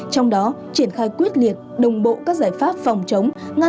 trong đó triển khai quyết liệt đồng bộ các giải pháp phòng chống